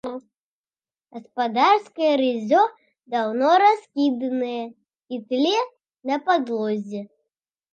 Гаспадарскае рыззё даўно раскіданае і тлее на падлозе.